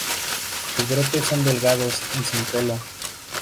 Los brotes son delgados, y sin pelo.